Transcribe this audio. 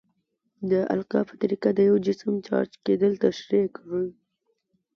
د القاء په طریقه د یو جسم چارج کیدل تشریح کړئ.